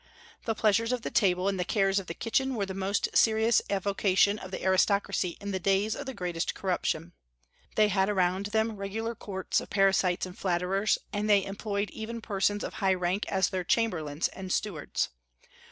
The pleasures of the table and the cares of the kitchen were the most serious avocation of the aristocracy in the days of the greatest corruption. They had around them regular courts of parasites and flatterers, and they employed even persons of high rank as their chamberlains and stewards.